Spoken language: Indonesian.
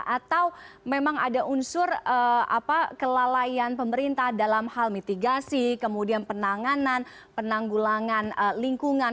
atau memang ada unsur kelalaian pemerintah dalam hal mitigasi kemudian penanganan penanggulangan lingkungan